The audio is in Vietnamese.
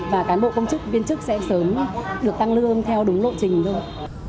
và cán bộ công chức viên chức sẽ sớm được tăng lương theo đúng lộ trình thôi